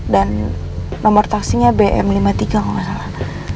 dan nomor taksinya bm lima puluh tiga kalau gak salah